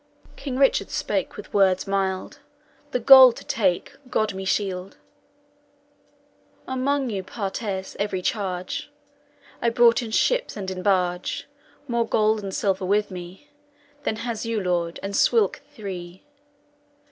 "King Richard spake with wordes mild. 'The gold to take, God me shield! Among you partes [Divide] every charge. I brought in shippes and in barge, More gold and silver with me, Than has your lord, and swilke three.